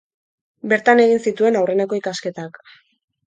Bertan egin zituen aurreneko ikasketak.